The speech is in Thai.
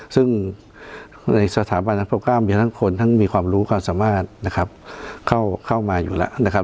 ซึ่งในสถาบันพระเก้ามีทั้งคนทั้งมีความรู้ความสามารถนะครับเข้ามาอยู่แล้วนะครับ